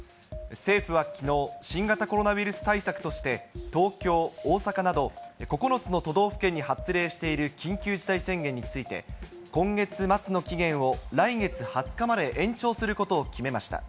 政府はきのう、新型コロナウイルス対策として、東京、大阪など、９つの都道府県に発令している緊急事態宣言について、今月末の期限を来月２０日まで延長することを決めました。